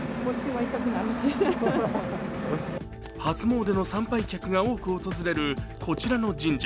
初詣の参拝客が多く訪れるこちらの神社。